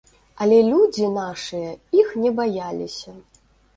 Але людзі нашыя іх не баяліся.